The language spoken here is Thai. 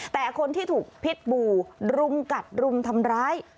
แต่คนที่ถูกพิษบูรุมกัดรุมทำร้าย